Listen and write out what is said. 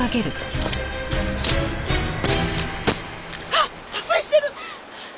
あっ破水してる！